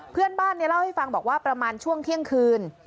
เพื่อนบ้านเล่าให้ฟังบอกว่าประมาณช่วงเที่ยงคืน